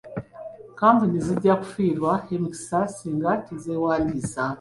Kapuni zijja kufiirwa emikisa singa tezeewandisa.